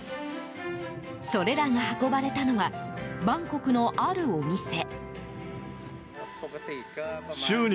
それらが運ばれたのはバンコクのあるお店。